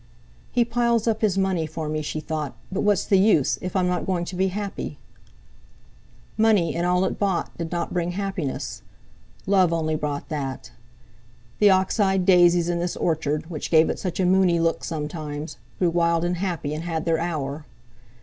'He piles up his money for me,' she thought; 'but what's the use, if I'm not going to be happy?' Money, and all it bought, did not bring happiness. Love only brought that. The ox eyed daisies in this orchard, which gave it such a moony look sometimes, grew wild and happy, and had their hour.